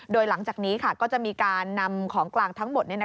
โดยหลังจากนี้ก็จะมีการนำของกลางทั้งหมด